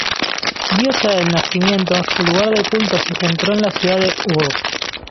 Diosa del nacimiento, su lugar de culto se centró en la ciudad de Ur.